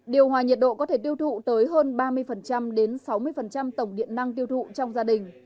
điều hòa nhiệt độ có thể tiêu thụ tới hơn ba mươi đến sáu mươi tổng điện năng tiêu thụ trong gia đình